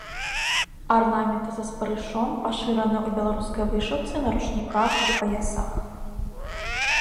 Арнаменты са спарышом пашыраныя ў беларускай вышыўцы, на ручніках і паясах.